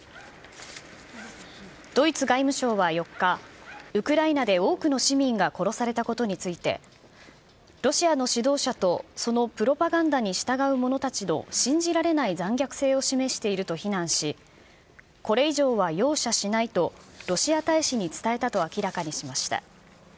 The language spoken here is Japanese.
ドイツ外務省は４日、ウクライナで多くの市民が殺されたことについて、ロシアの指導者と、そのプロパガンダに従う者たちの信じられない残虐性を示していると非難し、これ以上は容赦しないと、ロシア大使に伝えたと明らかにしました。